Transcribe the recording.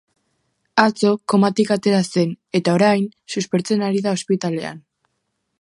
Atzo, komatik atera zen, eta orain suspertzen ari da ospitalean.